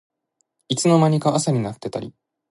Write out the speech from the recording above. いつの間にか朝になってたり